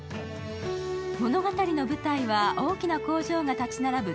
物語の舞台は大きな工場が立ち並ぶ